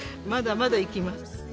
まだまだいきます。